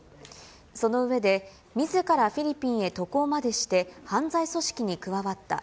その上で、みずからフィリピンへ渡航までして犯罪組織に加わった。